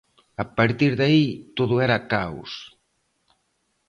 A partir de aí todo era "caos".